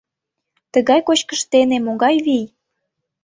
Тыгай кочкыш дене могай вий!